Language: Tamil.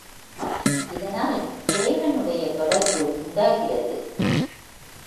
இதனால் இறைவனுடைய தொடர்பு உண்டாகிறது.